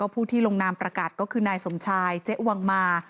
ผู้ที่ลงนามประกาศก็คือนายสมชายเจ๊วังมา